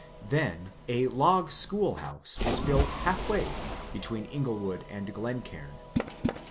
Then a log schoolhouse was built halfway between Inglewood and Glencaim.